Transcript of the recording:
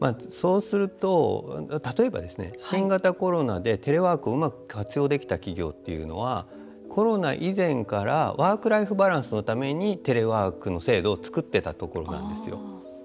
例えば新型コロナでテレワークをうまく活用できた企業っていうのはコロナ以前からワークライフバランスのためにテレワークの制度を作ってたところなんですよ。